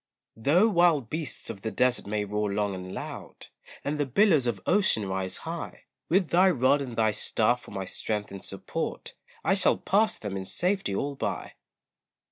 Though wild beasts of the desert may roar long and loud, And the billows of ocean rise high, With thy rod and thy staff for my strength and support, I shall pass them in safety all by.